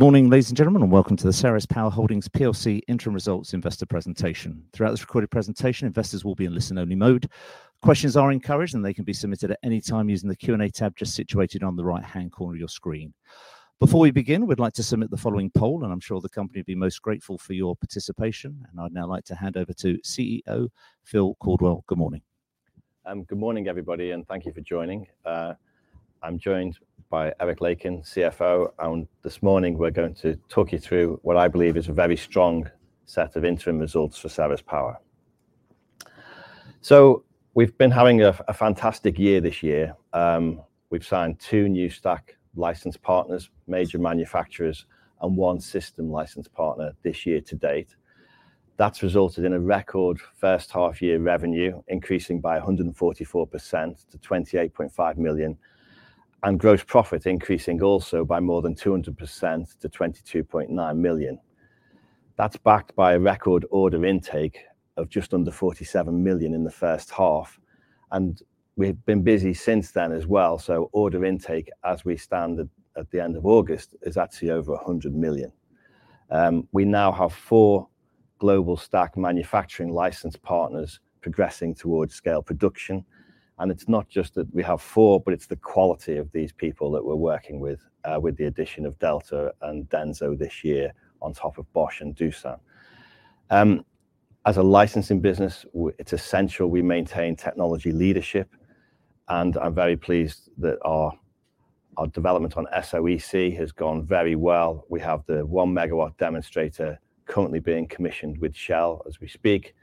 Good morning, ladies and gentlemen, and welcome to the Ceres Power Holdings plc Interim Results Investor Presentation. Throughout this recorded presentation, investors will be in listen-only mode. Questions are encouraged, and they can be submitted at any time using the Q&A tab just situated on the right-hand corner of your screen. Before we begin, we'd like to submit the following poll, and I'm sure the company will be most grateful for your participation, and I'd now like to hand over to CEO Phil Caldwell. Good morning. Good morning, everybody, and thank you for joining. I'm joined by Eric Lakin, CFO, and this morning, we're going to talk you through what I believe is a very strong set of interim results for Ceres Power. We've been having a fantastic year this year. We've signed two new stack license partners, major manufacturers, and one system license partner this year to date. That's resulted in a record first half year revenue, increasing by 144% to 28.5 million, and gross profit increasing also by more than 200% to 22.9 million. That's backed by a record order intake of just under 47 million in the first half, and we've been busy since then as well. Order intake, as we stand at the end of August, is actually over 100 million. We now have four global stack manufacturing license partners progressing towards scale production, and it's not just that we have four, but it's the quality of these people that we're working with, with the addition of Delta and Denso this year on top of Bosch and Doosan. As a licensing business, it's essential we maintain technology leadership, and I'm very pleased that our development on SOEC has gone very well. We have the 1MW demonstrator currently being commissioned with Shell as we speak,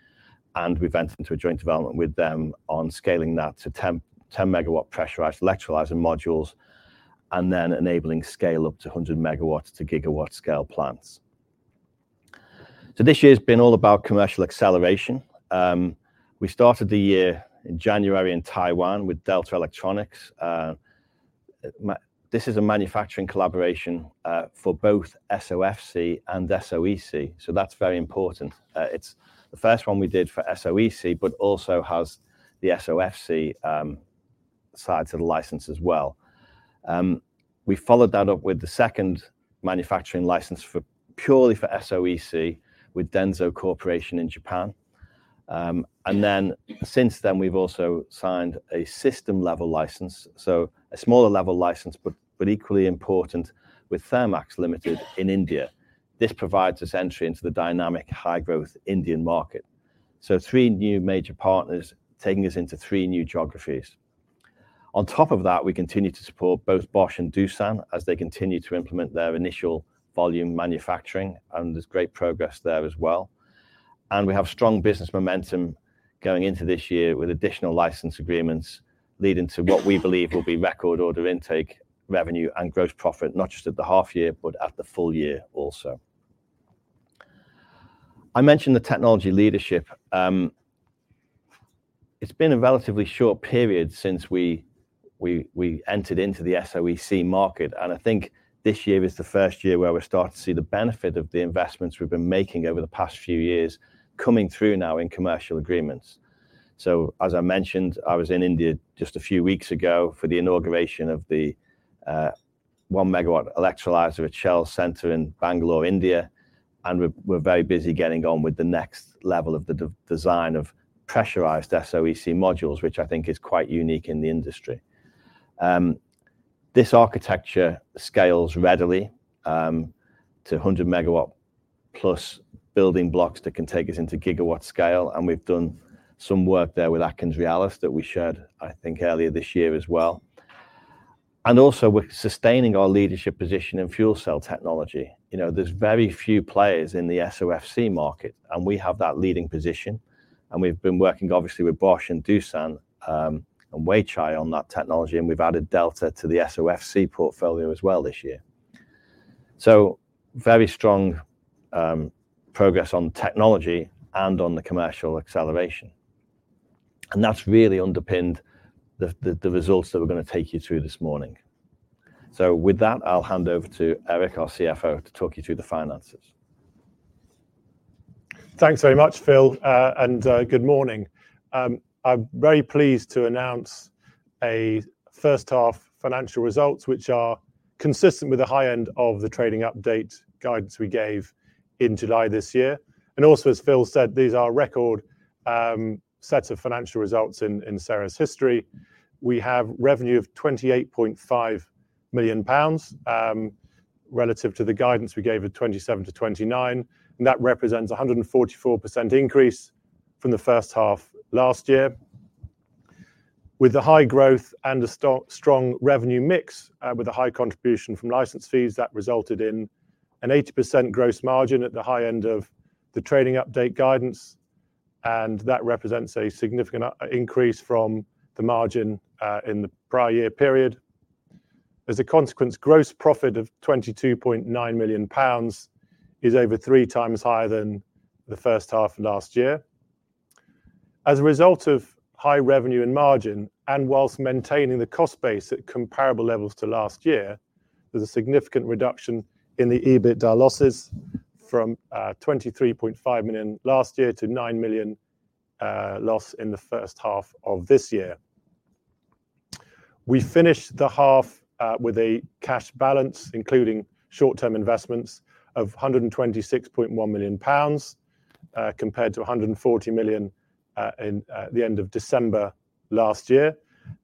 and we've entered into a joint development with them on scaling that to 10MW pressurized electrolyzer modules, and then enabling scale up to 100MW to GW scale plants. This year's been all about commercial acceleration. We started the year in January in Taiwan with Delta Electronics. This is a manufacturing collaboration for both SOFC and SOEC, so that's very important. It's the first one we did for SOEC, but also has the SOFC side to the license as well. We followed that up with the second manufacturing license purely for SOEC with DENSO Corporation in Japan, and then since then, we've also signed a system level license, so a smaller level license, but equally important with Thermax Limited in India. This provides us entry into the dynamic, high-growth Indian market. So three new major partners taking us into three new geographies. On top of that, we continue to support both Bosch and Doosan as they continue to implement their initial volume manufacturing, and there's great progress there as well. We have strong business momentum going into this year, with additional license agreements leading to what we believe will be record order intake, revenue, and gross profit, not just at the half year, but at the full year also. I mentioned the technology leadership. It's been a relatively short period since we entered into the SOEC market, and I think this year is the first year where we're starting to see the benefit of the investments we've been making over the past few years coming through now in commercial agreements. As I mentioned, I was in India just a few weeks ago for the inauguration of the one-megawatt electrolyzer at Shell Center in Bangalore, India, and we're very busy getting on with the next level of the design of pressurized SOEC modules, which I think is quite unique in the industry. This architecture scales readily to 100MW+ building blocks that can take us into gigawatt scale, and we've done some work there with AtkinsRéalis that we shared, I think, earlier this year as well. And also, we're sustaining our leadership position in fuel cell technology. You know, there's very few players in the SOFC market, and we have that leading position, and we've been working obviously with Bosch and Doosan, and Weichai on that technology, and we've added Delta to the SOFC portfolio as well this year. So very strong progress on technology and on the commercial acceleration. And that's really underpinned the results that we're gonna take you through this morning. So with that, I'll hand over to Eric, our CFO, to talk you through the finances. Thanks very much, Phil, and good morning. I'm very pleased to announce first-half financial results, which are consistent with the high end of the trading update guidance we gave in July this year. Also, as Phil said, these are record sets of financial results in Ceres history. We have revenue of 28.5 million pounds relative to the guidance we gave at 27-29 million, and that represents a 144% increase from the first half last year. With the high growth and a strong revenue mix with a high contribution from license fees, that resulted in an 80% gross margin at the high end of the trading update guidance, and that represents a significant increase from the margin in the prior year period. As a consequence, gross profit of 22.9 million pounds is over three times higher than the first half of last year. As a result of high revenue and margin, and whilst maintaining the cost base at comparable levels to last year, there's a significant reduction in the EBITDA losses from 23.5 million last year to 9 million loss in the first half of this year. We finished the half with a cash balance, including short-term investments of 126.1 million pounds, compared to 140 million in the end of December last year.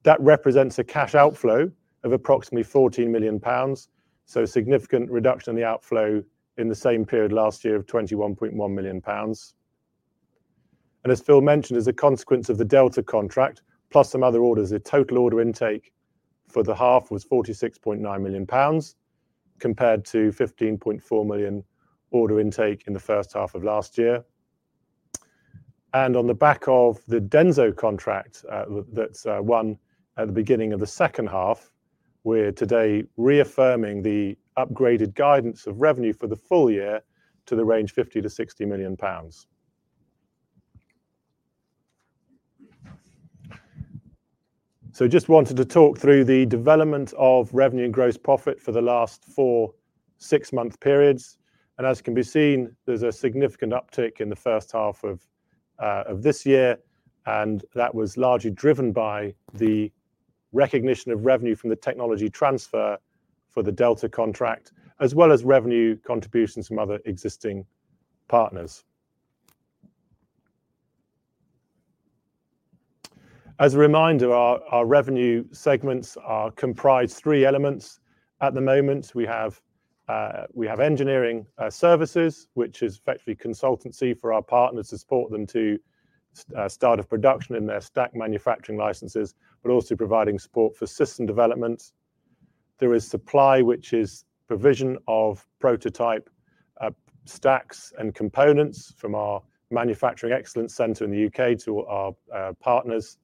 That represents a cash outflow of approximately 14 million pounds, so a significant reduction in the outflow in the same period last year of 21.1 million pounds. As Phil mentioned, as a consequence of the Delta contract, plus some other orders, the total order intake for the half was 46.9 million pounds, compared to 15.4 million order intake in the first half of last year. And on the back of the Denso contract, that, that's won at the beginning of the second half, we're today reaffirming the upgraded guidance of revenue for the full year to the range 50 to 60 million. So just wanted to talk through the development of revenue and gross profit for the last four six-month periods. And as can be seen, there's a significant uptick in the first half of this year, and that was largely driven by the recognition of revenue from the technology transfer for the Delta contract, as well as revenue contributions from other existing partners. As a reminder, our revenue segments are comprised three elements. At the moment, we have engineering services, which is effectively consultancy for our partners to support them to start up production in their stack manufacturing licenses, but also providing support for system development. There is supply, which is provision of prototype stacks and components from our manufacturing excellence center in the UK to our partners.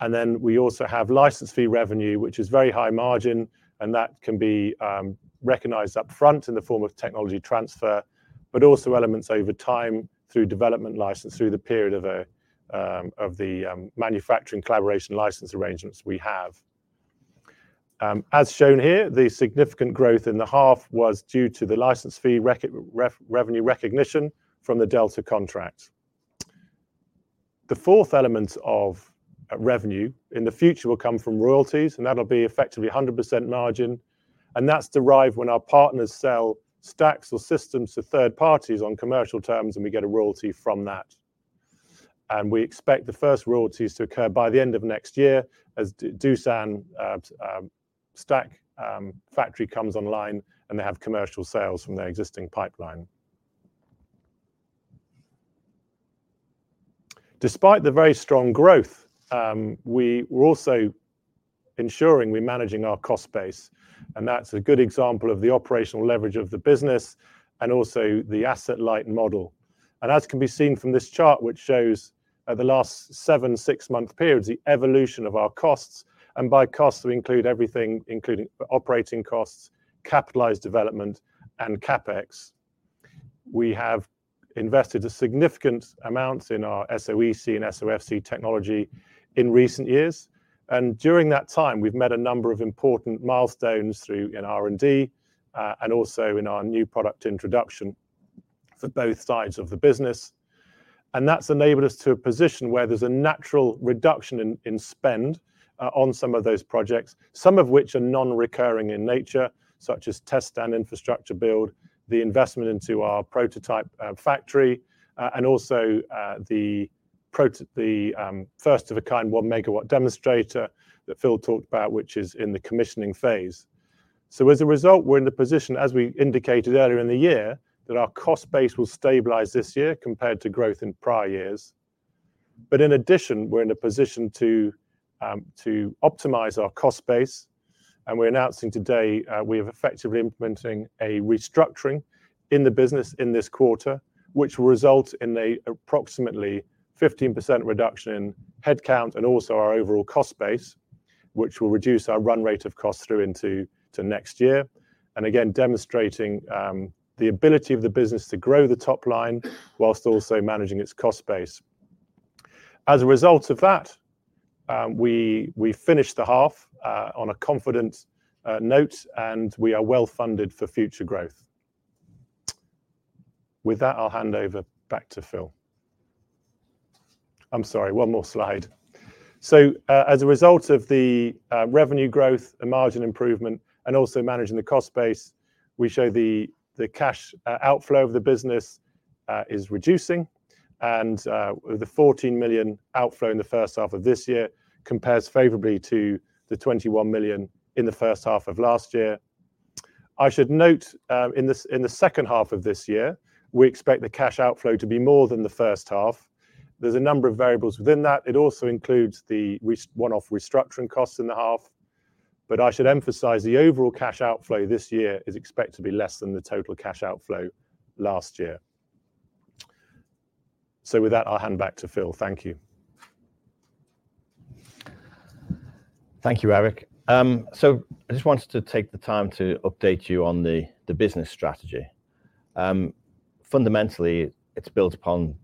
And then we also have license fee revenue, which is very high margin, and that can be recognized up front in the form of technology transfer, but also elements over time through development license, through the period of the manufacturing collaboration license arrangements we have. As shown here, the significant growth in the half was due to the license fee revenue recognition from the Delta contract. The fourth element of revenue in the future will come from royalties, and that'll be effectively a 100% margin, and that's derived when our partners sell stacks or systems to third parties on commercial terms, and we get a royalty from that. And we expect the first royalties to occur by the end of next year, as Doosan stack factory comes online, and they have commercial sales from their existing pipeline. Despite the very strong growth, we were also ensuring we're managing our cost base, and that's a good example of the operational leverage of the business and also the asset-light model. And as can be seen from this chart, which shows, the last seven six-month periods, the evolution of our costs, and by costs, we include everything, including operating costs, capitalized development, and CapEx. We have invested a significant amount in our SOEC and SOFC technology in recent years, and during that time, we've met a number of important milestones through in R&D, and also in our new product introduction for both sides of the business. And that's enabled us to a position where there's a natural reduction in spend on some of those projects, some of which are non-recurring in nature, such as test stand infrastructure build, the investment into our prototype factory, and also the first of a kind, one megawatt demonstrator that Phil talked about, which is in the commissioning phase. So as a result, we're in the position, as we indicated earlier in the year, that our cost base will stabilize this year compared to growth in prior years. But in addition, we're in a position to to optimize our cost base, and we're announcing today, we have effectively implementing a restructuring in the business in this quarter, which will result in a approximately 15% reduction in head count and also our overall cost base, which will reduce our run rate of costs through into to next year, and again, demonstrating the ability of the business to grow the top line while also managing its cost base. As a result of that, we, we finished the half on a confident note, and we are well-funded for future growth. With that, I'll hand over back to Phil. I'm sorry, one more slide. As a result of the revenue growth and margin improvement and also managing the cost base, we show the cash outflow of the business is reducing, and the 14 million outflow in the first half of this year compares favorably to the 21 million in the first half of last year. I should note, in the second half of this year, we expect the cash outflow to be more than the first half. There's a number of variables within that. It also includes the one-off restructuring costs in the half. But I should emphasize, the overall cash outflow this year is expected to be less than the total cash outflow last year. So with that, I'll hand back to Phil. Thank you. Thank you, Eric. So I just wanted to take the time to update you on the business strategy. Fundamentally, it's built upon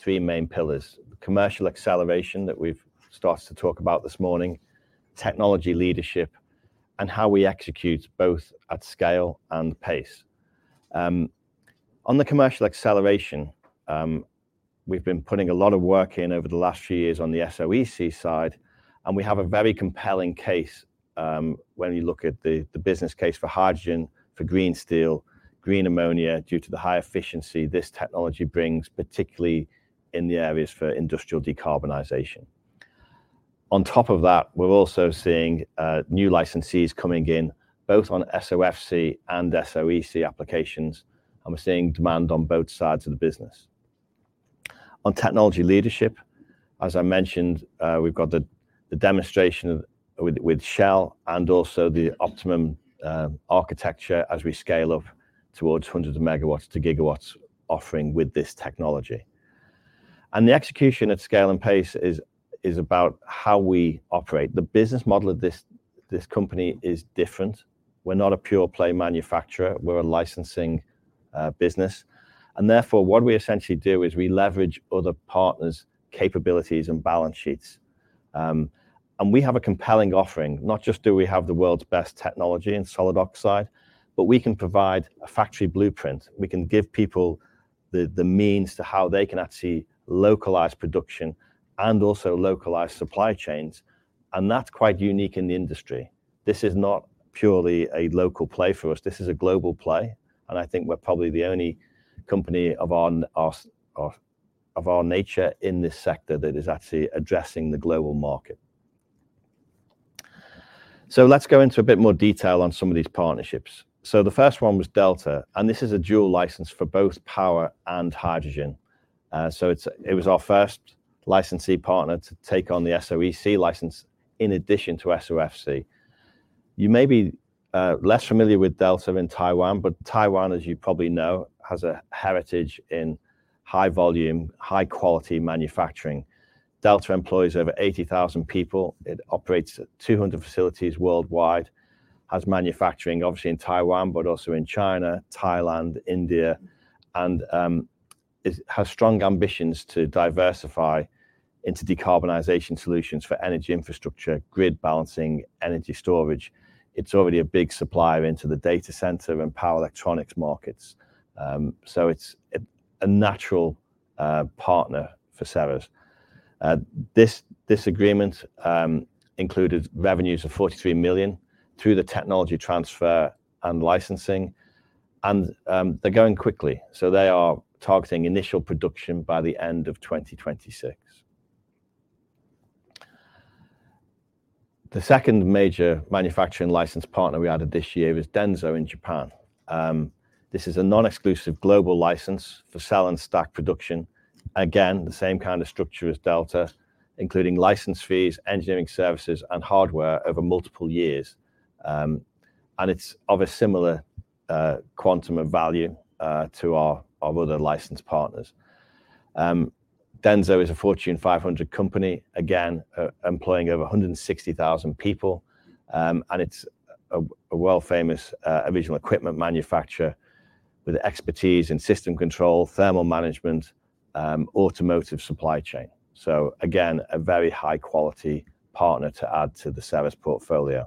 three main pillars: commercial acceleration, that we've started to talk about this morning, technology leadership, and how we execute both at scale and pace. On the commercial acceleration, we've been putting a lot of work in over the last few years on the SOEC side, and we have a very compelling case, when you look at the business case for hydrogen, for green steel, green ammonia, due to the high efficiency this technology brings, particularly in the areas for industrial decarbonization. On top of that, we're also seeing new licensees coming in, both on SOFC and SOEC applications, and we're seeing demand on both sides of the business. On technology leadership, as I mentioned, we've got the demonstration with Shell and also the optimum architecture as we scale up towards hundreds of MW to GW offering with this technology. The execution at scale and pace is about how we operate. The business model of this company is different. We're not a pure play manufacturer, we're a licensing business, and therefore, what we essentially do is we leverage other partners' capabilities and balance sheets, and we have a compelling offering. Not just do we have the world's best technology in solid oxide, but we can provide a factory blueprint. We can give people the means to how they can actually localize production and also localize supply chains, and that's quite unique in the industry. This is not purely a local play for us, this is a global play, and I think we're probably the only company of our nature in this sector that is actually addressing the global market. So let's go into a bit more detail on some of these partnerships. So the first one was Delta, and this is a dual license for both power and hydrogen. It was our first licensee partner to take on the SOEC license in addition to SOFC. You may be less familiar with Delta in Taiwan, but Taiwan, as you probably know, has a heritage in high volume, high quality manufacturing. Delta employs over eighty thousand people. It operates at 200 facilities worldwide, has manufacturing obviously in Taiwan, but also in China, Thailand, India, and it has strong ambitions to diversify into decarbonization solutions for energy infrastructure, grid balancing, energy storage. It's already a big supplier into the data center and power electronics markets. So it's a natural partner for Ceres. This agreement included revenues of 43 million through the technology transfer and licensing, and they're going quickly. So they are targeting initial production by the end of 2026. The second major manufacturing license partner we added this year was Denso in Japan. This is a non-exclusive global license for cell and stack production. Again, the same kind of structure as Delta, including license fees, engineering services, and hardware over multiple years. And it's of a similar quantum of value to our other licensed partners. Denso is a Fortune 500 company, again, employing over 160,000 people, and it's a world-famous original equipment manufacturer with expertise in system control, thermal management, automotive supply chain. So again, a very high quality partner to add to the Ceres portfolio.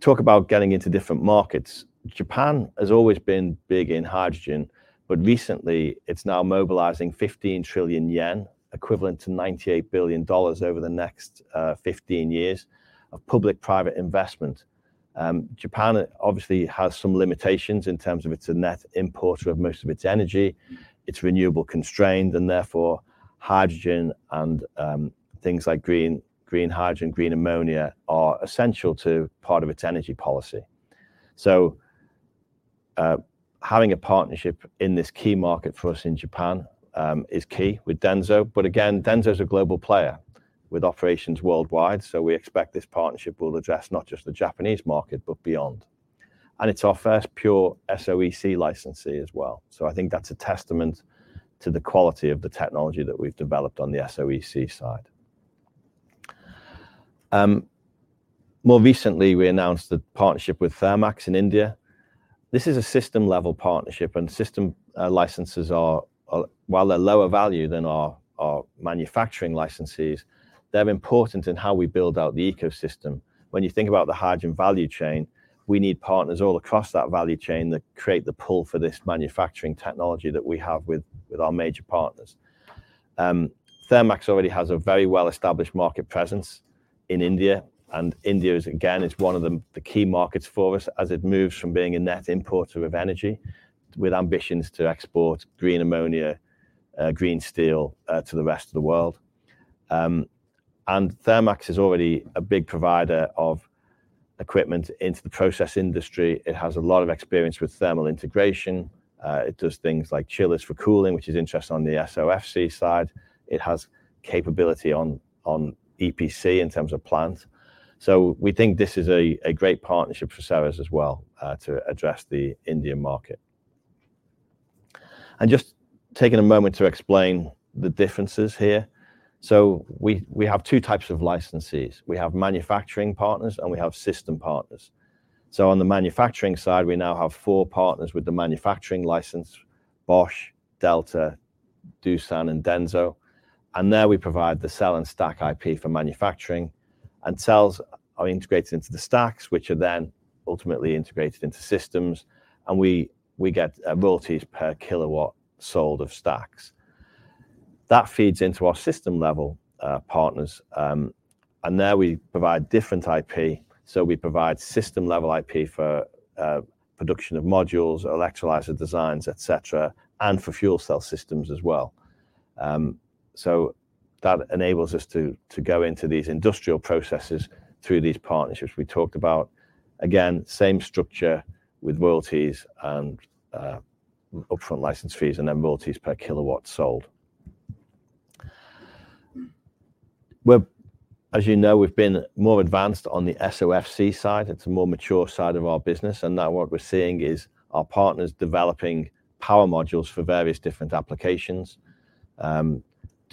Talk about getting into different markets. Japan has always been big in hydrogen, but recently it's mobilizing 15 trillion yen, equivalent to $98 billion over the next 15 years of public-private investment. Japan obviously has some limitations in terms of it's a net importer of most of its energy. It's renewable constrained, and therefore, hydrogen and things like green hydrogen, green ammonia, are essential to part of its energy policy. So, having a partnership in this key market for us in Japan is key with Denso. But again, Denso is a global player with operations worldwide, so we expect this partnership will address not just the Japanese market, but beyond. And it's our first pure SOEC licensee as well. So I think that's a testament to the quality of the technology that we've developed on the SOEC side. More recently, we announced the partnership with Thermax in India. This is a system-level partnership, and system licenses are, while they're lower value than our manufacturing licenses, they're important in how we build out the ecosystem. When you think about the hydrogen value chain, we need partners all across that value chain that create the pull for this manufacturing technology that we have with our major partners. Thermax already has a very well-established market presence in India, and India is one of the key markets for us as it moves from being a net importer of energy, with ambitions to export green ammonia, green steel, to the rest of the world. And Thermax is already a big provider of equipment into the process industry. It has a lot of experience with thermal integration. It does things like chillers for cooling, which is interesting on the SOFC side. It has capability on EPC in terms of plants. So we think this is a great partnership for Ceres as well, to address the Indian market. And just taking a moment to explain the differences here. So we have two types of licensees. We have manufacturing partners, and we have system partners. So on the manufacturing side, we now have four partners with the manufacturing license, Bosch, Delta, Doosan and Denso, and there we provide the cell and stack IP for manufacturing, and cells are integrated into the stacks, which are then ultimately integrated into systems, and we get royalties per kilowatt sold of stacks. That feeds into our system-level partners, and there we provide different IP. So we provide system-level IP for production of modules, electrolyzer designs, et cetera, and for fuel cell systems as well. That enables us to go into these industrial processes through these partnerships we talked about. Again, same structure with royalties and upfront license fees, and then royalties per kilowatt sold. Well, as you know, we've been more advanced on the SOFC side. It's a more mature side of our business, and now what we're seeing is our partners developing power modules for various different applications.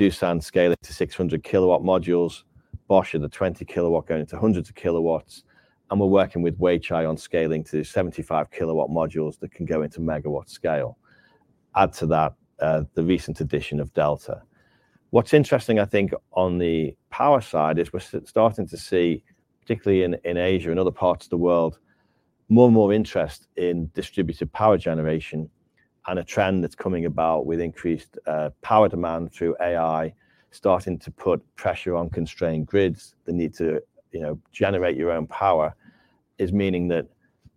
Doosan scaling to 600KW modules, Bosch in the 20KW, going into hundreds of kilowatts, and we're working with Weichai on scaling to 75KW modules that can go into megawatt scale. Add to that, the recent addition of Delta. What's interesting, I think, on the power side is we're starting to see, particularly in Asia and other parts of the world, more and more interest in distributed power generation and a trend that's coming about with increased power demand through AI, starting to put pressure on constrained grids. The need to, you know, generate your own power is meaning that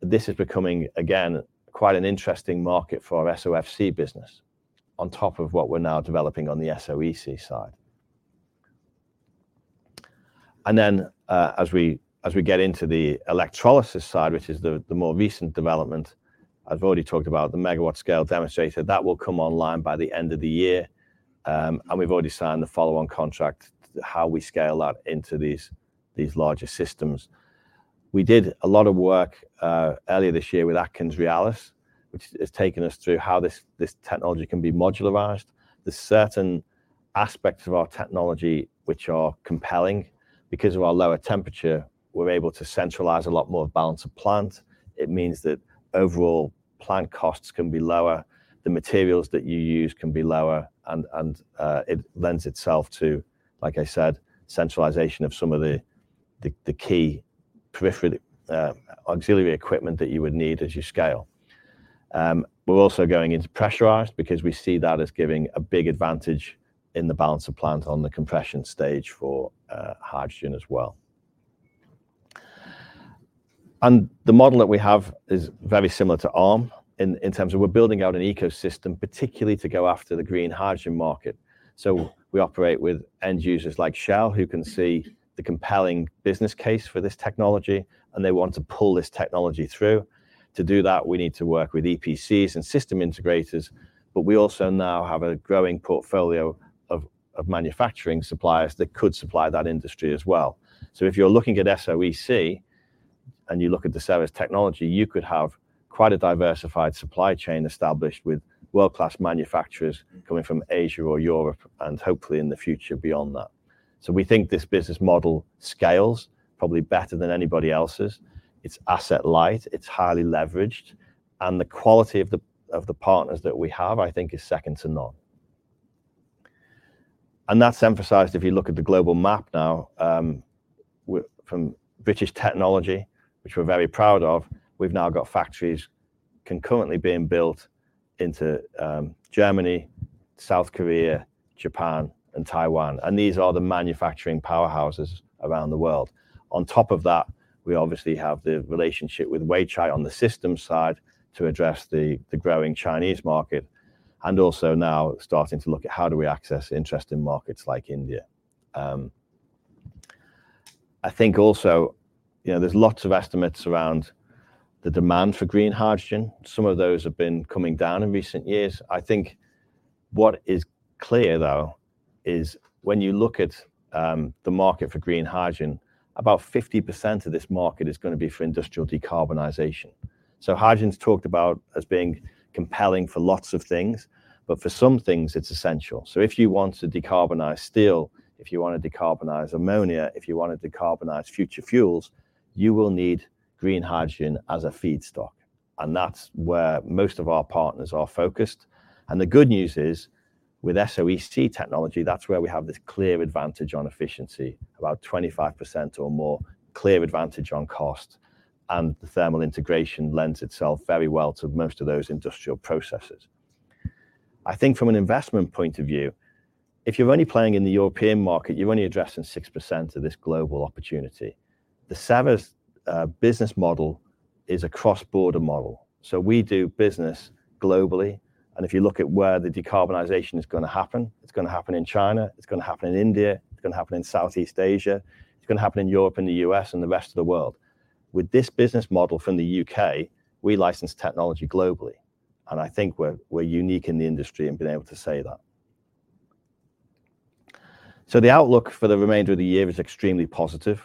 this is becoming, again, quite an interesting market for our SOFC business, on top of what we're now developing on the SOEC side. And then, as we get into the electrolysis side, which is the more recent development, I've already talked about the megawatt scale demonstrator. That will come online by the end of the year, and we've already signed the follow-on contract, how we scale that into these larger systems. We did a lot of work earlier this year with AtkinsRéalis, which has taken us through how this technology can be modularized. There's certain aspects of our technology which are compelling. Because of our lower temperature, we're able to centralise a lot more of balance of plant. It means that overall plant costs can be lower, the materials that you use can be lower, and it lends itself to, like I said, centralization of some of the key peripheral auxiliary equipment that you would need as you scale. We're also going into pressurized because we see that as giving a big advantage in the balance of plant on the compression stage for hydrogen as well. And the model that we have is very similar to ARM in terms of we're building out an ecosystem, particularly to go after the green hydrogen market. So we operate with end users like Shell, who can see the compelling business case for this technology, and they want to pull this technology through. To do that, we need to work with EPCs and system integrators, but we also now have a growing portfolio of manufacturing suppliers that could supply that industry as well. So if you're looking at SOEC, and you look at the Ceres technology, you could have quite a diversified supply chain established with world-class manufacturers coming from Asia or Europe, and hopefully in the future, beyond that. So we think this business model scales probably better than anybody else's. It's asset light, it's highly leveraged, and the quality of the partners that we have, I think, is second to none. And that's emphasised if you look at the global map now, from British technology, which we're very proud of, we've now got factories concurrently being built into Germany, South Korea, Japan, and Taiwan, and these are the manufacturing powerhouses around the world. On top of that, we obviously have the relationship with Weichai on the systems side to address the growing Chinese market, and also now starting to look at how do we access interesting markets like India. I think also, you know, there's lots of estimates around the demand for green hydrogen. Some of those have been coming down in recent years. I think what is clear, though, is when you look at the market for green hydrogen, about 50% of this market is gonna be for industrial decarbonization. So hydrogen's talked about as being compelling for lots of things, but for some things it's essential. So if you want to decarbonize steel, if you want to decarbonize ammonia, if you want to decarbonize future fuels, you will need green hydrogen as a feedstock, and that's where most of our partners are focused. And the good news is, with SOEC technology, that's where we have this clear advantage on efficiency, about 25% or more, clear advantage on cost, and the thermal integration lends itself very well to most of those industrial processes. I think from an investment point of view, if you're only playing in the European market, you're only addressing 6% of this global opportunity. The Ceres business model is a cross-border model, so we do business globally, and if you look at where the decarbonization is gonna happen, it's gonna happen in China, it's gonna happen in India, it's gonna happen in Southeast Asia, it's gonna happen in Europe and the U.S. and the rest of the world. With this business model from the U.K., we license technology globally, and I think we're unique in the industry in being able to say that. So the outlook for the remainder of the year is extremely positive.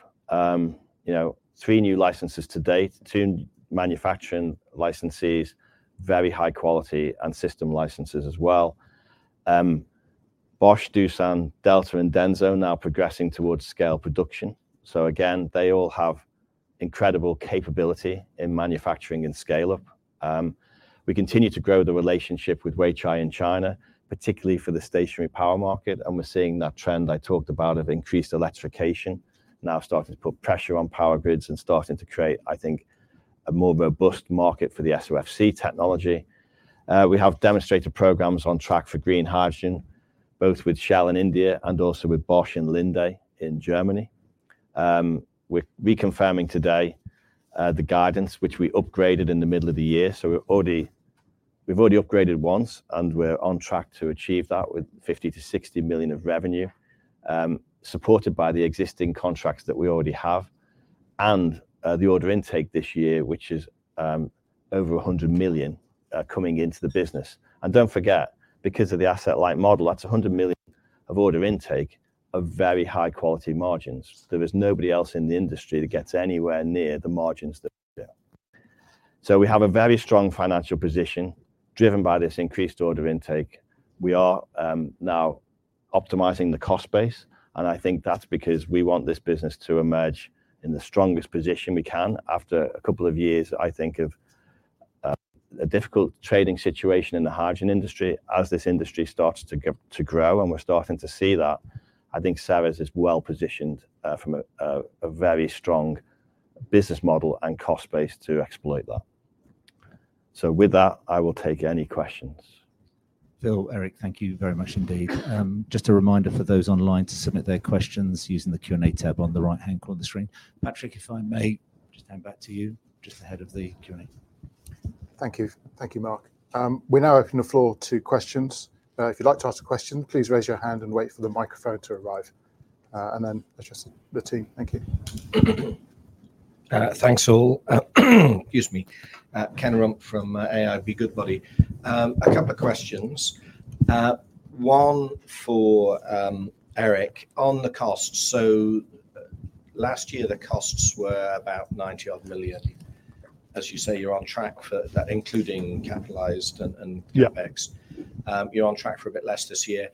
You know, three new licenses to date, two manufacturing licensees, very high quality, and system licenses as well. Bosch, Doosan, Delta, and Denso are now progressing towards scale production. So again, they all have incredible capability in manufacturing and scale-up. We continue to grow the relationship with Weichai in China, particularly for the stationary power market, and we're seeing that trend I talked about of increased electrification now starting to put pressure on power grids and starting to create, I think, a more robust market for the SOFC technology. We have demonstrated programs on track for green hydrogen, both with Shell in India and also with Bosch and Linde in Germany. We're reconfirming today the guidance which we upgraded in the middle of the year. We've already upgraded once, and we're on track to achieve that with 50-60 million of revenue, supported by the existing contracts that we already have and the order intake this year, which is over 100 million coming into the business. And don't forget, because of the asset-light model, that's 100 million of order intake of very high-quality margins. There is nobody else in the industry that gets anywhere near the margins that we do. So we have a very strong financial position driven by this increased order intake. We are now optimizing the cost base, and I think that's because we want this business to emerge in the strongest position we can after a couple of years, I think, of a difficult trading situation in the hydrogen industry. As this industry starts to grow, and we're starting to see that, I think Ceres is well positioned from a very strong business model and cost base to exploit that. So with that, I will take any questions. Phil, Eric, thank you very much indeed. Just a reminder for those online to submit their questions using the Q&A tab on the right-hand corner of the screen. Patrick, if I may just hand back to you just ahead of the Q&A. Thank you. Thank you, Mark. We now open the floor to questions. If you'd like to ask a question, please raise your hand and wait for the microphone to arrive, and then address the team. Thank you. Thanks, all. Excuse me. Ken Rumph from AIB Goodbody. A couple of questions. One for Eric on the cost. So last year, the costs were about 90-odd million. As you say, you're on track for that, including capitalized and. Yeah... CapEx. You're on track for a bit less this year.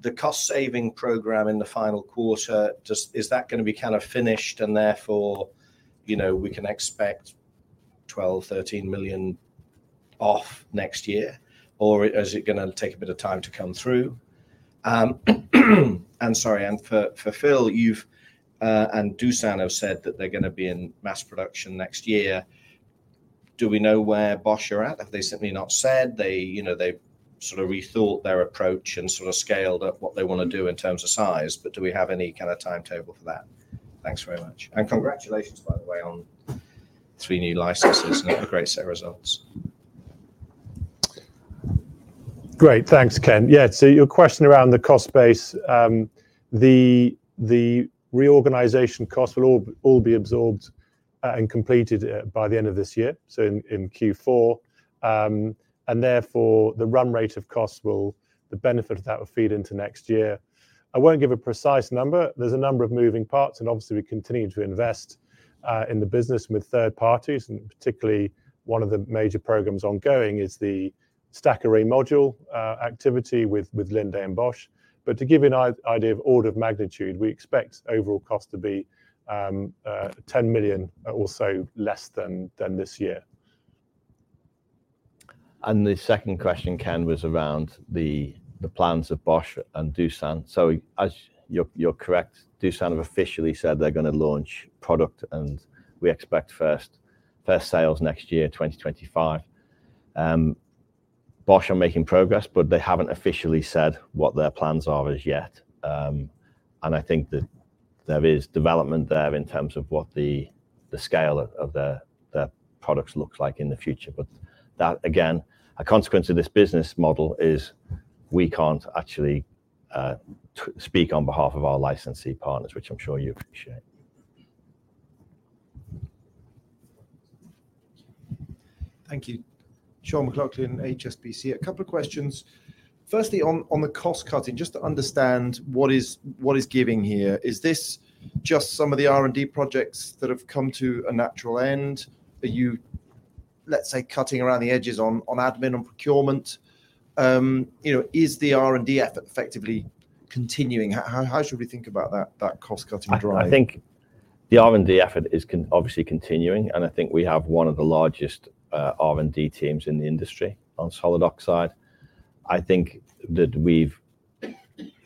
The cost-saving program in the final quarter, just, is that gonna be kind of finished and therefore, you know, we can expect 12-13 million off next year, or is it gonna take a bit of time to come through? And sorry, and for, for Phil, you've and Doosan have said that they're gonna be in mass production next year. Do we know where Bosch are at? Have they simply not said, they, you know, they've sort of rethought their approach and sort of scaled up what they wanna do in terms of size, but do we have any kind of timetable for that? Thanks very much. Congratulations, by the way, on three new licenses and a great set of results. Great. Thanks, Ken. Yeah, so your question around the cost base, the reorganization cost will all be absorbed and completed by the end of this year, so in Q4. Therefore, the run rate of cost will, the benefit of that will feed into next year. I won't give a precise number. There's a number of moving parts, and obviously, we continue to invest in the business with third parties, and particularly, one of the major programs ongoing is the stack array module activity with Linde and Bosch. But to give you an idea of order of magnitude, we expect overall cost to be 10 million or so less than this year. The second question, Ken, was around the plans of Bosch and Doosan. You're correct, Doosan have officially said they're gonna launch product, and we expect first sales next year, 2025. Bosch are making progress, but they haven't officially said what their plans are as yet, and I think that there is development there in terms of what the scale of their products looks like in the future. But that, again, a consequence of this business model is we can't actually speak on behalf of our licensee partners, which I'm sure you appreciate. Thank you. Sean McLoughlin, HSBC. A couple of questions. Firstly, on the cost cutting, just to understand what is giving here, is this just some of the R&D projects that have come to a natural end? Are you, let's say, cutting around the edges on admin, on procurement? You know, is the R&D effort effectively continuing? How should we think about that cost-cutting drive? I think the R&D effort is obviously continuing, and I think we have one of the largest R&D teams in the industry on solid oxide. I think that we've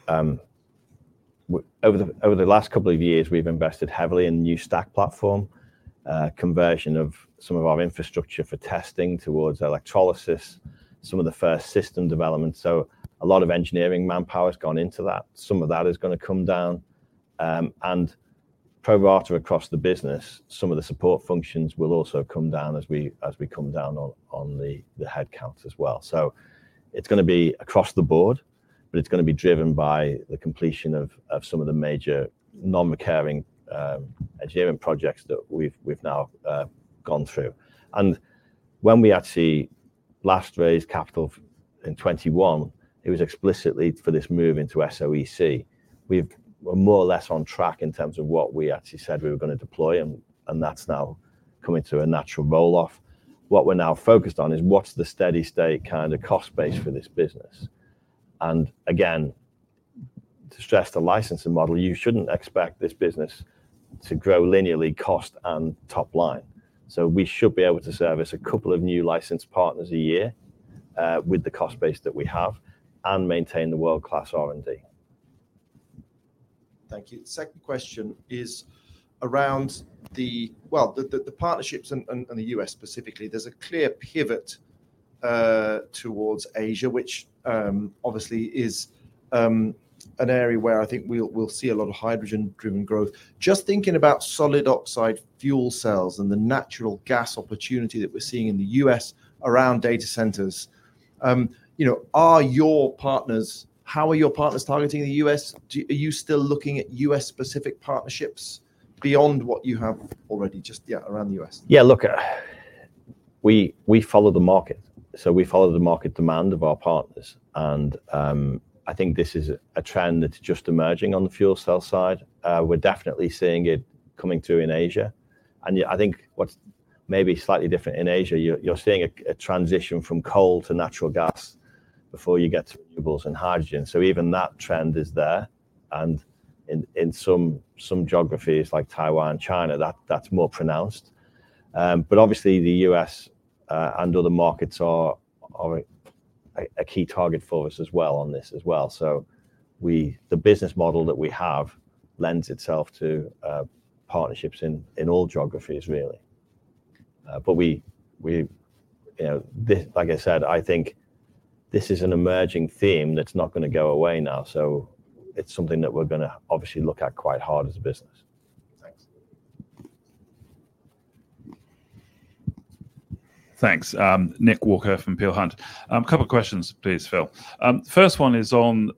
over the last couple of years, we've invested heavily in new stack platform, conversion of some of our infrastructure for testing towards electrolysis, some of the first system development. So a lot of engineering manpower has gone into that. Some of that is gonna come down and pro rata across the business. Some of the support functions will also come down as we come down on the headcount as well. So it's gonna be across the board, but it's gonna be driven by the completion of some of the major non-recurring engineering projects that we've now gone through. When we actually last raised capital in 2021, it was explicitly for this move into SOEC. We're more or less on track in terms of what we actually said we were gonna deploy, and that's now coming to a natural roll-off. What we're now focused on is what's the steady-state kind of cost base for this business. And again, to stress the licensing model, you shouldn't expect this business to grow linearly, cost, and top line. So we should be able to service a couple of new licensed partners a year, with the cost base that we have, and maintain the world-class R&D. Thank you. The second question is around the partnerships in the U.S. specifically. There's a clear pivot towards Asia, which obviously is an area where I think we'll see a lot of hydrogen-driven growth. Just thinking about solid oxide fuel cells and the natural gas opportunity that we're seeing in the U.S. around data centers, you know, how are your partners targeting the U.S.? Are you still looking at U.S.-specific partnerships beyond what you have already, just yeah, around the U.S.? Yeah, look, we follow the market, so we follow the market demand of our partners, and I think this is a trend that's just emerging on the fuel cell side. We're definitely seeing it coming through in Asia, and yeah, I think what's maybe slightly different in Asia, you're seeing a transition from coal to natural gas before you get to renewables and hydrogen. So even that trend is there, and in some geographies like Taiwan and China, that's more pronounced. But obviously, the U.S. and other markets are a key target for us as well on this as well. So the business model that we have lends itself to partnerships in all geographies, really. But we, you know, like I said, I think this is an emerging theme that's not gonna go away now, so it's something that we're gonna obviously look at quite hard as a business. Thanks. Thanks. Nick Walker from Peel Hunt. A couple questions, please, Phil. First one is on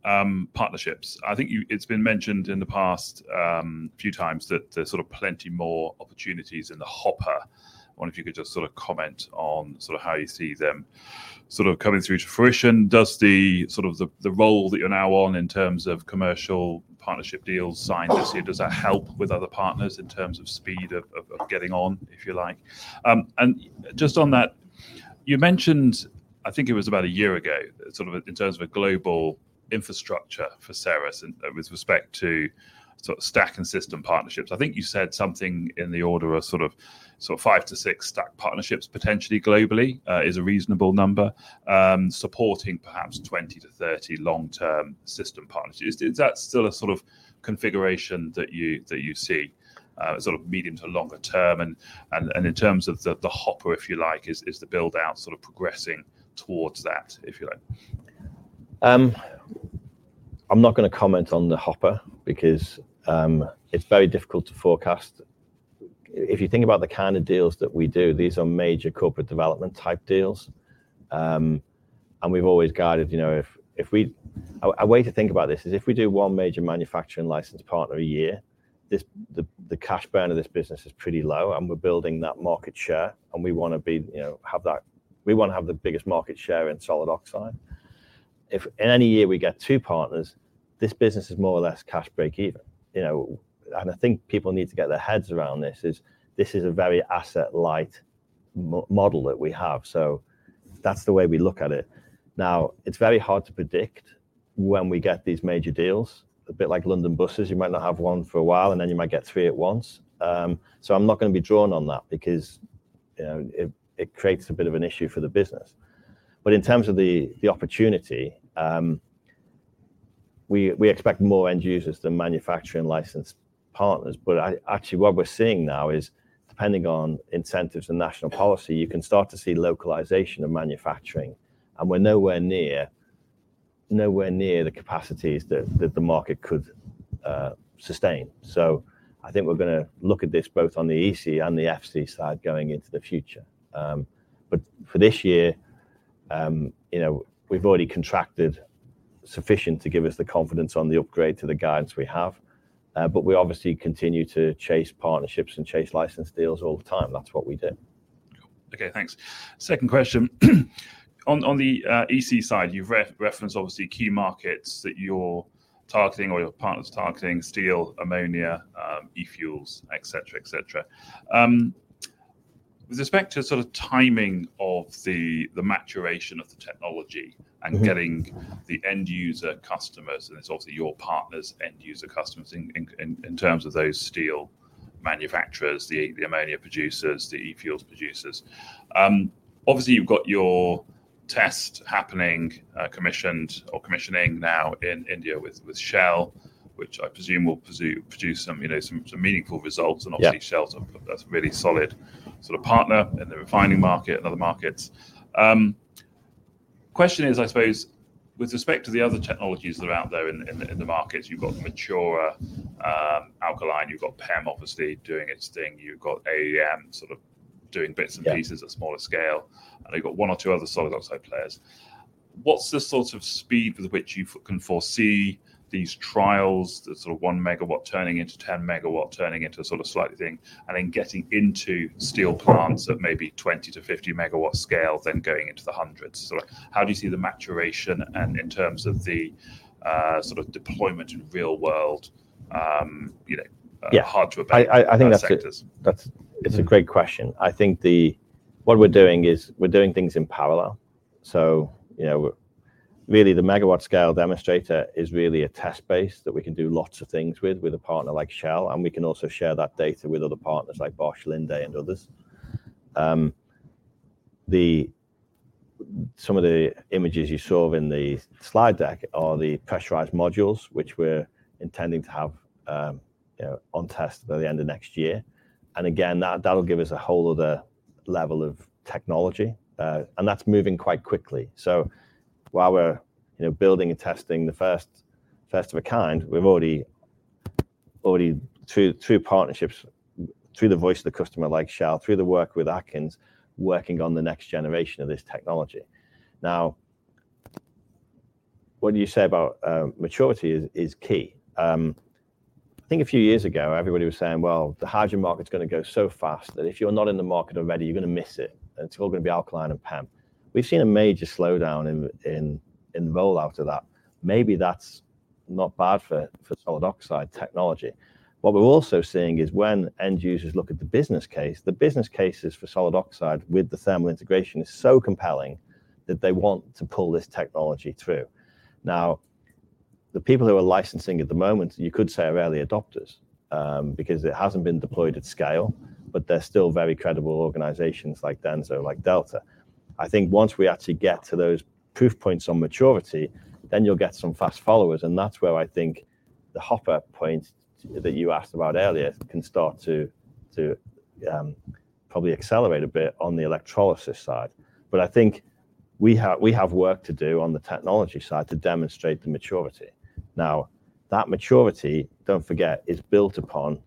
partnerships. I think it's been mentioned in the past a few times that there's sort of plenty more opportunities in the hopper. I wonder if you could just sort of comment on sort of how you see them sort of coming through to fruition. Does the sort of the role that you're now on in terms of commercial partnership deals signed this year, does that help with other partners in terms of speed of getting on, if you like? And just on that, you mentioned, I think it was about a year ago, sort of in terms of a global infrastructure for Ceres and with respect to sort of stack and system partnerships, I think you said something in the order of sort of five to six stack partnerships, potentially globally, is a reasonable number, supporting perhaps twenty to thirty long-term system partners. Is that still a sort of configuration that you see, sort of medium to longer term? And in terms of the hopper, if you like, is the build-out sort of progressing towards that, if you like? I'm not gonna comment on the hopper because it's very difficult to forecast. If you think about the kind of deals that we do, these are major corporate development type deals, and we've always guided, you know, if we. A way to think about this is if we do one major manufacturing licensed partner a year, the cash burn of this business is pretty low, and we're building that market share, and we wanna be, you know, we wanna have the biggest market share in solid oxide. If in any year we get two partners, this business is more or less cash break even. You know, and I think people need to get their heads around this, is this is a very asset-light model that we have. So that's the way we look at it. Now, it's very hard to predict when we get these major deals. A bit like London buses, you might not have one for a while, and then you might get three at once. So I'm not gonna be drawn on that because, you know, it creates a bit of an issue for the business. But in terms of the opportunity, we expect more end users than manufacturing licensed partners. Actually, what we're seeing now is, depending on incentives and national policy, you can start to see localization of manufacturing, and we're nowhere near, nowhere near the capacities that the market could sustain. So I think we're gonna look at this both on the EC and the FC side going into the future. But for this year, you know, we've already contracted sufficient to give us the confidence on the upgrade to the guidance we have, but we obviously continue to chase partnerships and chase license deals all the time. That's what we do. Cool. Okay, thanks. Second question. On the SOEC side, you've referenced obviously key markets that you're targeting or your partner's targeting: steel, ammonia, e-fuels, et cetera, et cetera. With respect to sort of timing of the maturation of the technology- Mm-hmm ... and getting the end user customers, and it's obviously your partners' end user customers in terms of those steel manufacturers, the ammonia producers, the e-fuels producers. Obviously, you've got your test happening, commissioned or commissioning now in India with Shell, which I presume will produce some, you know, some meaningful results. Yeah. Obviously, Shell's a really solid sort of partner in the refining market and other markets. Question is, I suppose, with respect to the other technologies that are out there in the market. You've got the mature alkaline. You've got PEM obviously doing its thing. You've got AEM sort of doing bits and pieces- Yeah... at smaller scale, and you've got one or two other solid oxide players. What's the sort of speed with which you can foresee these trials, the sort of 1MW turning into 10MW, turning into a sort of slight thing, and then getting into steel plants of maybe 20-50MW scale, then going into the hundreds? Sort of how do you see the maturation and in terms of the, sort of deployment in real world, you know. Yeah... hard to evaluate, sectors? I think that's a great question. I think what we're doing is we're doing things in parallel. So, you know, really, the megawatt scale demonstrator is really a test base that we can do lots of things with, with a partner like Shell, and we can also share that data with other partners like Bosch, Linde, and others. Some of the images you saw in the slide deck are the pressurized modules, which we're intending to have, you know, on test by the end of next year. And again, that'll give us a whole other level of technology, and that's moving quite quickly. So while we're, you know, building and testing the first of a kind, we've already through partnerships, through the voice of the customer, like Shell, through the work with Atkins, working on the next generation of this technology. Now, what you say about maturity is key. I think a few years ago, everybody was saying, "Well, the hydrogen market's gonna go so fast, that if you're not in the market already, you're gonna miss it, and it's all gonna be alkaline and PEM." We've seen a major slowdown in the rollout of that. Maybe that's not bad for solid oxide technology. What we're also seeing is when end users look at the business case, the business cases for solid oxide with the thermal integration is so compelling that they want to pull this technology through. Now, the people who are licensing at the moment, you could say, are early adopters, because it hasn't been deployed at scale, but they're still very credible organizations like DENSO, like Delta. I think once we actually get to those proof points on maturity, then you'll get some fast followers, and that's where I think the hopper point that you asked about earlier can start to probably accelerate a bit on the electrolysis side. But I think we have work to do on the technology side to demonstrate the maturity. Now, that maturity, don't forget, is built upon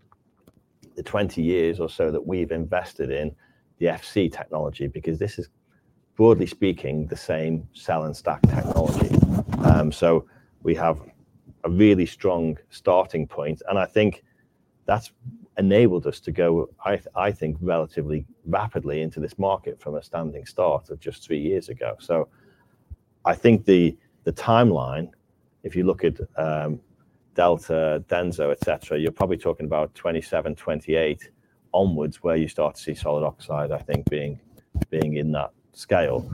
the 20 years or so that we've invested in the FC technology, because this is, broadly speaking, the same cell and stack technology. So we have a really strong starting point, and I think that's enabled us to go, I think, relatively rapidly into this market from a standing start of just three years ago. So I think the timeline, if you look at, Delta, Denso, et cetera, you're probably talking about 2027, 2028 onwards, where you start to see solid oxide, I think, being in that scale.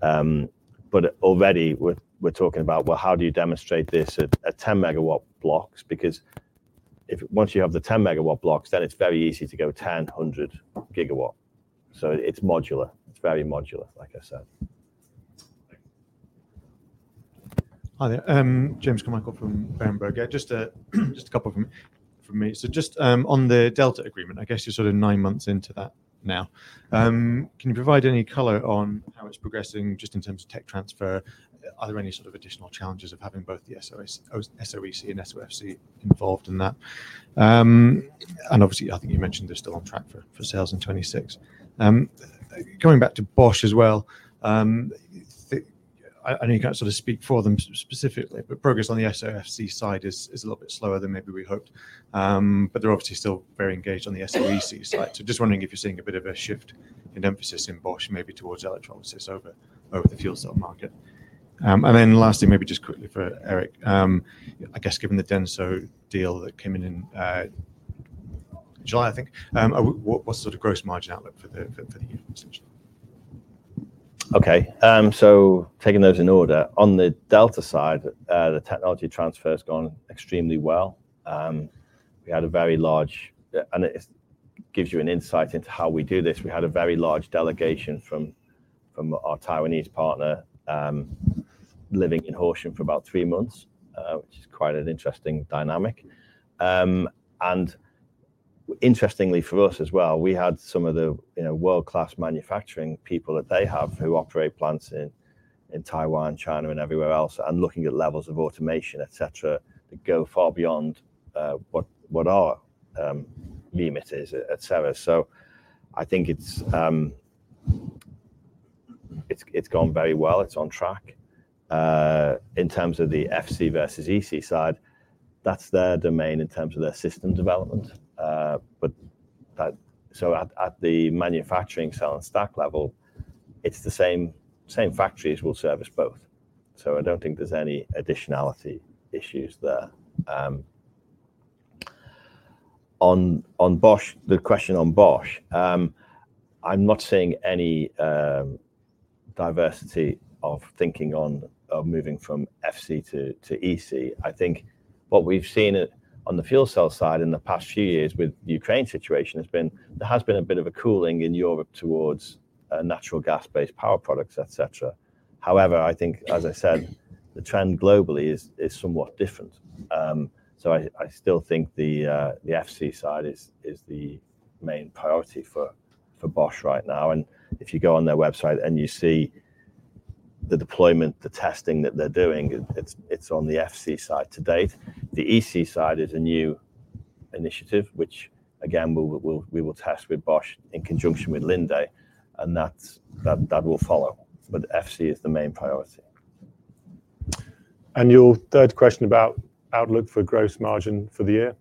But already we're talking about, well, how do you demonstrate this at, at 10MW blocks? Because if once you have the 10MW blocks, then it's very easy to go 10-100GW. So it's modular. It's very modular, like I said. Hi there. James Carmichael from Berenberg. Just a couple from me. So just on the Delta agreement, I guess you're sort of nine months into that now. Can you provide any color on how it's progressing, just in terms of tech transfer? Are there any sort of additional challenges of having both the SOEC and SOFC involved in that? And obviously, I think you mentioned they're still on track for sales in 2026. Coming back to Bosch as well, I know you can't sort of speak for them specifically, but progress on the SOFC side is a little bit slower than maybe we hoped. But they're obviously still very engaged on the SOEC side. Just wondering if you're seeing a bit of a shift in emphasis in Bosch, maybe towards electrolysis over the fuel cell market. And then lastly, maybe just quickly for Eric. I guess given the Denso deal that came in in July, I think, what's the sort of gross margin outlook for the year, essentially? Okay, so taking those in order, on the Delta side, the technology transfer has gone extremely well. And it gives you an insight into how we do this. We had a very large delegation from our Taiwanese partner, living in Horsham for about three months, which is quite an interesting dynamic. And interestingly for us as well, we had some of the, you know, world-class manufacturing people that they have, who operate plants in Taiwan, China, and everywhere else, and looking at levels of automation, et cetera, that go far beyond what our limit is, et cetera. So I think it's gone very well. It's on track. In terms of the FC versus EC side, that's their domain in terms of their system development. But at the manufacturing cell and stack level, it's the same. Same factories will service both. So I don't think there's any additionality issues there. On Bosch, the question on Bosch. I'm not seeing any diversity of thinking on moving from FC to EC. I think what we've seen on the fuel cell side in the past few years with the Ukraine situation has been a bit of a cooling in Europe towards natural gas-based power products, et cetera. However, I think, as I said, the trend globally is somewhat different. So I still think the FC side is the main priority for Bosch right now. If you go on their website and you see the deployment, the testing that they're doing, it's on the FC side to date. The EC side is a new initiative, which again, we will test with Bosch in conjunction with Linde, and that will follow, but FC is the main priority. Your third question about outlook for gross margin for the year.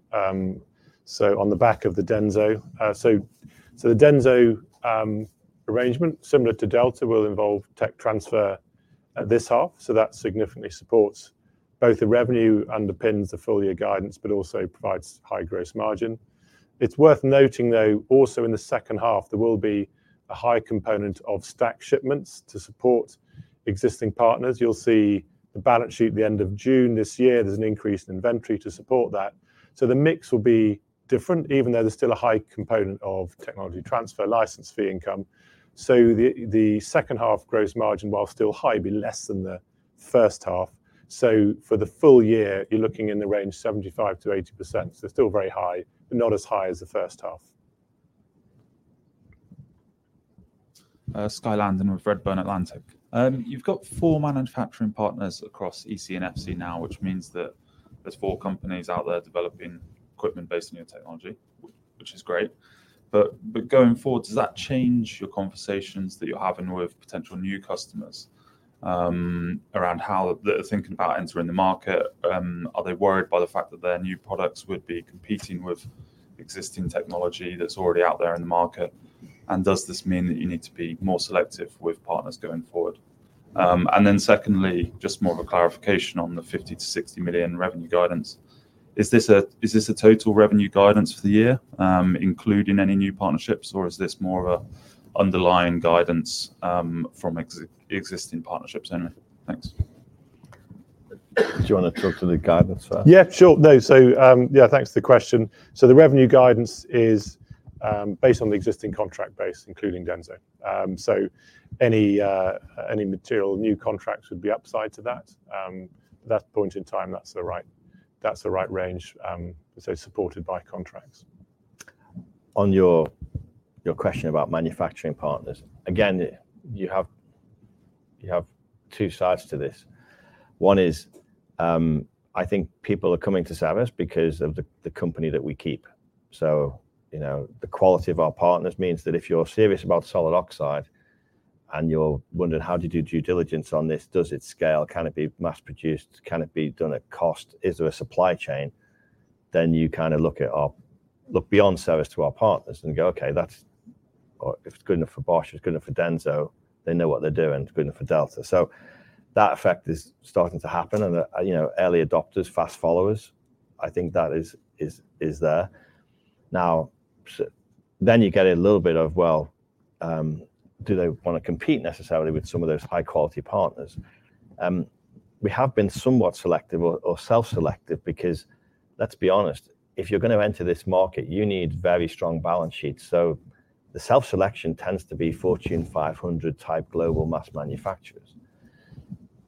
So on the back of the Denso. So the Denso arrangement, similar to Delta, will involve tech transfer at this half, so that significantly supports both the revenue underpins the full year guidance, but also provides high gross margin. It's worth noting, though, also in the second half, there will be a high component of stack shipments to support existing partners. You'll see the balance sheet at the end of June this year, there's an increase in inventory to support that. So the mix will be different, even though there's still a high component of technology transfer, license fee income. So the second half gross margin, while still high, be less than the first half. So for the full year, you're looking in the range 75%-80%. Still very high, but not as high as the first half. Skye Landon with Redburn Atlantic. You've got four manufacturing partners across EC and FC now, which means that there's four companies out there developing equipment based on your technology, which is great. But going forward, does that change your conversations that you're having with potential new customers around how they're thinking about entering the market? Are they worried by the fact that their new products would be competing with existing technology that's already out there in the market? And does this mean that you need to be more selective with partners going forward? And then secondly, just more of a clarification on the 50-60 million revenue guidance. Is this a total revenue guidance for the year, including any new partnerships, or is this more of an underlying guidance from existing partnerships? Anyway, thanks. Do you want to talk to the guidance first? Yeah, sure. No. So, yeah, thanks for the question. So the revenue guidance is based on the existing contract base, including Denso. So any material new contracts would be upside to that. At that point in time, that's the right range, so supported by contracts. On your question about manufacturing partners. Again, you have two sides to this. One is, I think people are coming to Ceres because of the company that we keep. So, you know, the quality of our partners means that if you're serious about solid oxide, and you're wondering, how do you do due diligence on this? Does it scale? Can it be mass-produced? Can it be done at cost? Is there a supply chain? Then you kind of look beyond Ceres to our partners and go, "Okay, that's... or if it's good enough for Bosch, it's good enough for Denso, they know what they're doing. It's good enough for Delta." So that effect is starting to happen, and, you know, early adopters, fast followers, I think that is there. Now, so then you get a little bit of, well, do they wanna compete necessarily with some of those high-quality partners? We have been somewhat selective or self-selective because let's be honest, if you're gonna enter this market, you need very strong balance sheets. So the self-selection tends to be Fortune 500-type global mass manufacturers.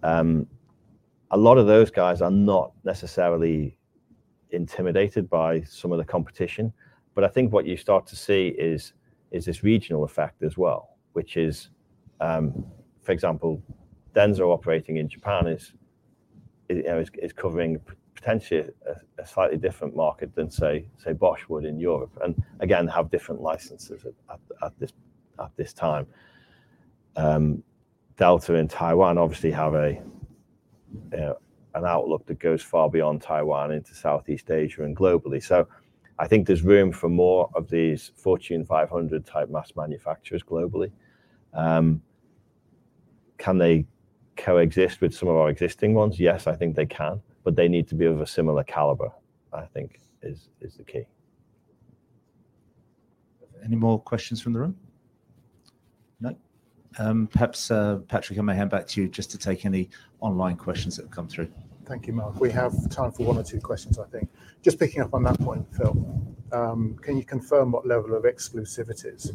A lot of those guys are not necessarily intimidated by some of the competition, but I think what you start to see is this regional effect as well, which is, for example, Denso operating in Japan is covering potentially a slightly different market than, say, Bosch would in Europe, and again, have different licenses at this time. Delta in Taiwan obviously have an outlook that goes far beyond Taiwan into Southeast Asia and globally. So I think there's room for more of these Fortune Five Hundred-type mass manufacturers globally. Can they coexist with some of our existing ones? Yes, I think they can, but they need to be of a similar caliber. I think is the key. Any more questions from the room? No. Perhaps, Patrick, I'm gonna hand back to you just to take any online questions that have come through. Thank you, Mark. We have time for one or two questions, I think. Just picking up on that point, Phil, can you confirm what level of exclusivities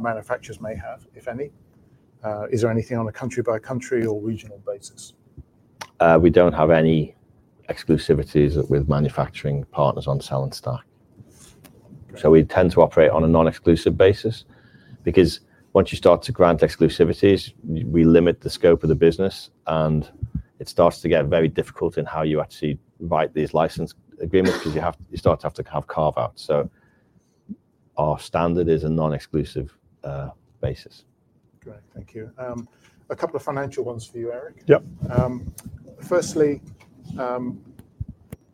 manufacturers may have, if any? Is there anything on a country-by-country or regional basis? We don't have any exclusivities with manufacturing partners on cell and stack, so we tend to operate on a non-exclusive basis, because once you start to grant exclusivities, we limit the scope of the business, and it starts to get very difficult in how you actually write these license agreements because you start to have to have carve outs, so our standard is a non-exclusive basis. Great. Thank you. A couple of financial ones for you, Eric. Yep. Firstly,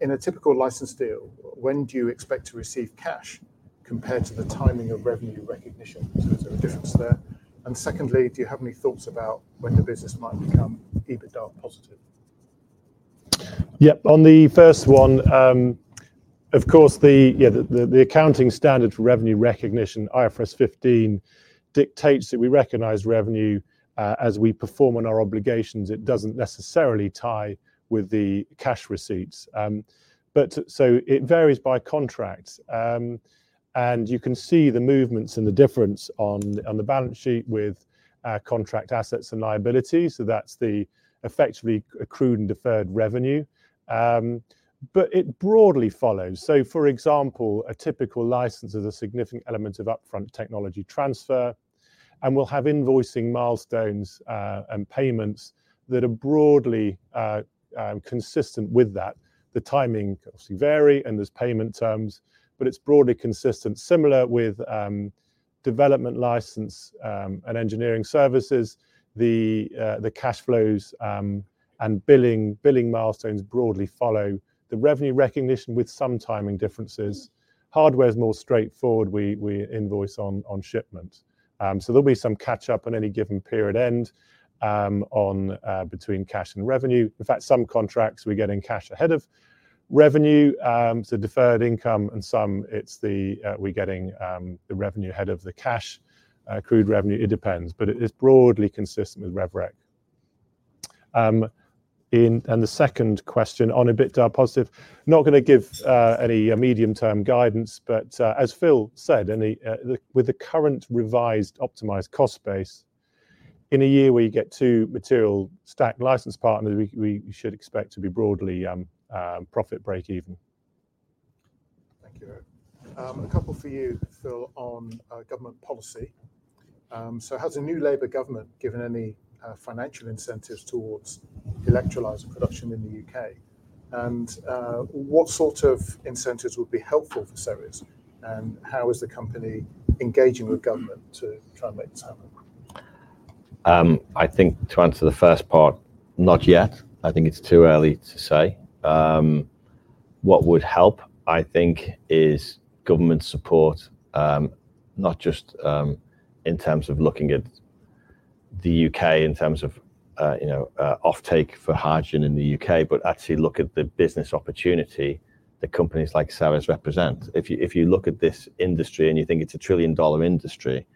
in a typical license deal, when do you expect to receive cash compared to the timing of revenue recognition? So is there a difference there? And secondly, do you have any thoughts about when the business might become EBITDA positive? Yep, on the first one, of course, the accounting standard for revenue recognition, IFRS 15, dictates that we recognize revenue, as we perform on our obligations. It doesn't necessarily tie with the cash receipts. But so it varies by contract, and you can see the movements and the difference on the balance sheet with contract assets and liabilities. So that's the effectively accrued and deferred revenue, but it broadly follows. So for example, a typical license is a significant element of upfront technology transfer, and we'll have invoicing milestones and payments that are broadly consistent with that. The timing obviously vary, and there's payment terms, but it's broadly consistent. Similar with development license and engineering services, the cash flows and billing milestones broadly follow the revenue recognition with some timing differences. Hardware is more straightforward. We invoice on shipment. So there'll be some catch up on any given period end, on between cash and revenue. In fact, some contracts we get in cash ahead of revenue, so deferred income, and some it's the, we're getting, the revenue ahead of the cash, accrued revenue. It depends, but it is broadly consistent with rev rec.... in, and the second question on EBITDA positive. Not gonna give any medium-term guidance, but as Phil said, with the current revised optimized cost base, in a year where you get two material stack license partners, we should expect to be broadly profit breakeven. Thank you. A couple for you, Phil, on government policy. So has the new Labour government given any financial incentives towards electrolyzer production in the UK? And what sort of incentives would be helpful for Ceres, and how is the company engaging with government to try and make this happen? I think to answer the first part, not yet. I think it's too early to say. What would help, I think, is government support, not just in terms of looking at the U.K. in terms of, you know, offtake for hydrogen in the U.K., but actually look at the business opportunity that companies like Ceres represent. If you look at this industry and you think it's a trillion-dollar industry,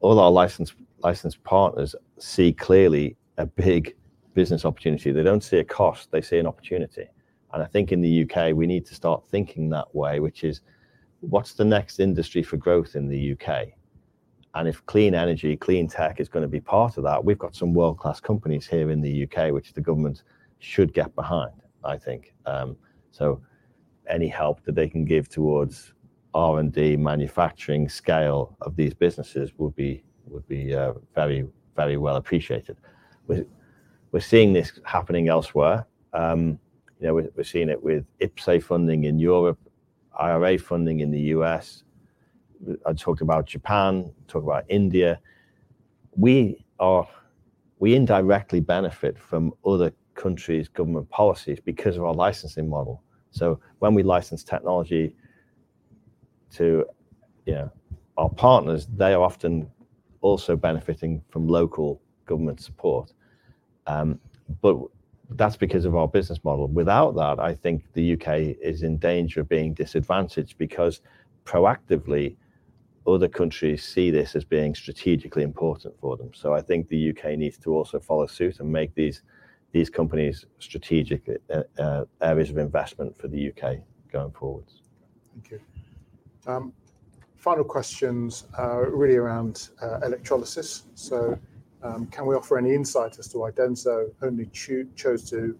all our licensed partners see clearly a big business opportunity. They don't see a cost, they see an opportunity, and I think in the U.K., we need to start thinking that way, which is: What's the next industry for growth in the U.K.? If clean energy, clean tech is gonna be part of that, we've got some world-class companies here in the U.K., which the government should get behind, I think. So any help that they can give towards R&D, manufacturing scale of these businesses would be very, very well appreciated. We're seeing this happening elsewhere. You know, we're seeing it with IPCEI funding in Europe, IRA funding in the U.S. I talked about Japan, talked about India. We indirectly benefit from other countries' government policies because of our licensing model. So when we license technology to, you know, our partners, they are often also benefiting from local government support. But that's because of our business model. Without that, I think the U.K. is in danger of being disadvantaged, because proactively, other countries see this as being strategically important for them. So I think the U.K. needs to also follow suit and make these companies strategic areas of investment for the U.K. going forward. Thank you. Final questions are really around electrolysis. So, can we offer any insight as to why Denso only chose to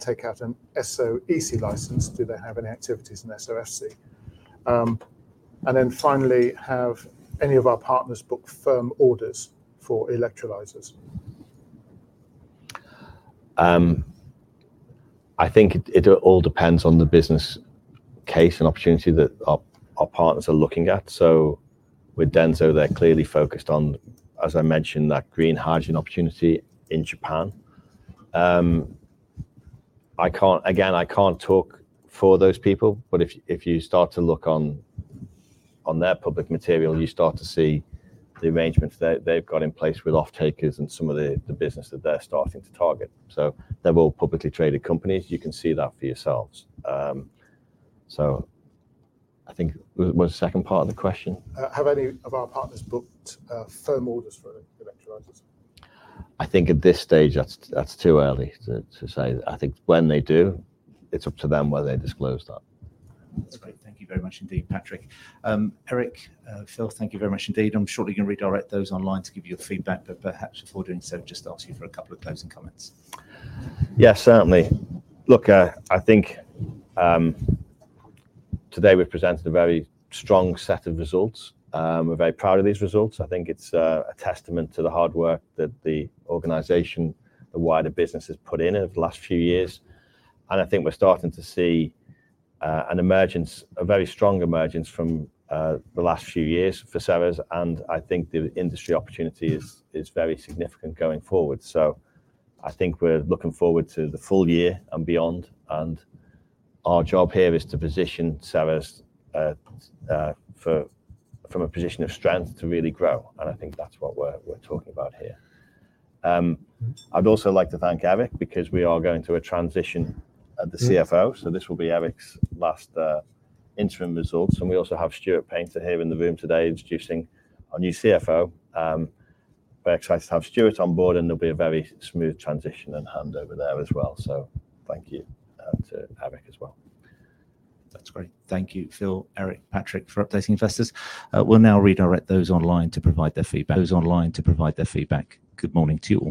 take out an SOEC license? Do they have any activities in SOFC? And then finally, have any of our partners booked firm orders for electrolyzers? I think it all depends on the business case and opportunity that our partners are looking at. So with DENSO, they're clearly focused on, as I mentioned, that green hydrogen opportunity in Japan. I can't... Again, I can't talk for those people, but if you start to look on their public material, you start to see the arrangements they've got in place with off-takers and some of the business that they're starting to target. So they're all publicly traded companies. You can see that for yourselves. So I think, what was the second part of the question? Have any of our partners booked firm orders for electrolyzers? I think at this stage, that's too early to say. I think when they do, it's up to them whether they disclose that. That's great. Thank you very much indeed, Patrick. Eric, Phil, thank you very much indeed. I'm shortly gonna redirect those online to give you their feedback, but perhaps before doing so, just ask you for a couple of closing comments. Yeah, certainly. Look, I think today we've presented a very strong set of results. We're very proud of these results. I think it's a testament to the hard work that the organization, the wider business, has put in over the last few years. And I think we're starting to see an emergence, a very strong emergence from the last few years for Ceres, and I think the industry opportunity is very significant going forward. So I think we're looking forward to the full year and beyond, and our job here is to position Ceres for, from a position of strength to really grow, and I think that's what we're talking about here. I'd also like to thank Avik, because we are going through a transition at the CFO, so this will be Avik's last interim results, and we also have Stuart Painter here in the room today, introducing our new CFO. We're excited to have Stuart on board, and there'll be a very smooth transition and hand over there as well. Thank you to Avik as well. That's great. Thank you, Phil, Eric, Patrick, for updating investors. We'll now redirect those online to provide their feedback. Good morning to you all.